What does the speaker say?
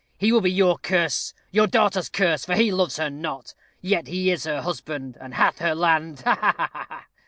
He will be your curse your daughter's curse for he loves her not. Yet he is her husband, and hath her land; ha, ha!"